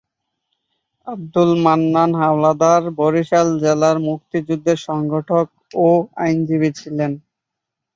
আবদুল মান্নান হাওলাদার বরিশাল জেলার মুক্তিযুদ্ধের সংগঠক ও আইনজীবী ছিলেন।